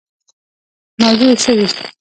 موضوع یې څه وي.